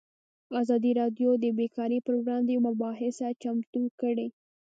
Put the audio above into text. ازادي راډیو د بیکاري پر وړاندې یوه مباحثه چمتو کړې.